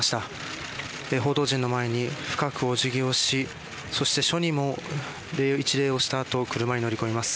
報道陣の前に深くお辞儀をしそして署にも一礼をしたあと車に乗り込みます。